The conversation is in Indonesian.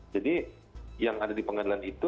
jadi yang ada di pengadilan itu